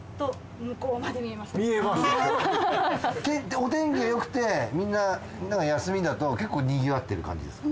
お天気がよくてみんなが休みだと結構にぎわってる感じですか？